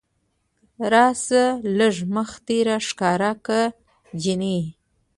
راشه لږ مخ دې راښکاره که جينۍ